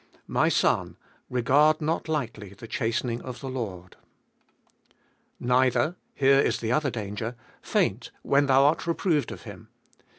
My son, regard not lightly the chastening of the Lord. Neither, here is the other danger — faint when thou art reproved of Him.